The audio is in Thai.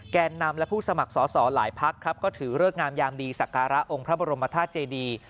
แกนนำและผู้สมัครสอสอหลายพักครับก็ถือเลิกงามยามดีสักการะองค์พระบรมธาตุเจดี